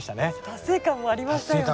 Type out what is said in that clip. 達成感もありましたよね。